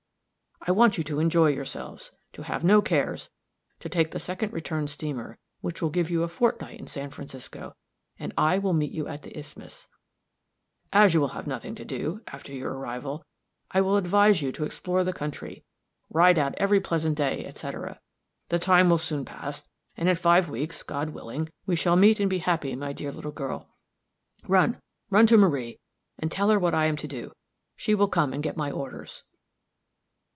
I want you to enjoy yourselves, to have no cares, to take the second return steamer, which will give you a fortnight in San Francisco, and I will meet you at the isthmus. As you will have nothing to do, after your arrival, I will advise you to explore the country, ride out every pleasant day, etc. The time will soon pass, and in five weeks, God willing, we shall meet and be happy, my dear little girl. Run, run to Marie, and tell her what I am to do; she will come and get my orders."